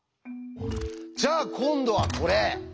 じゃあ今度はこれ。